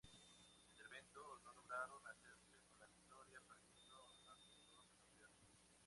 En el evento, no lograron hacerse con la victoria perdiendo ante los campeones.